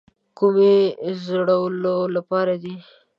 کومې زړولو لپاره دي.